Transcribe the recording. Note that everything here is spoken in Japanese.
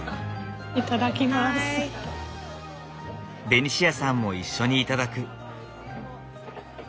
ベニシアさんも一緒に頂く。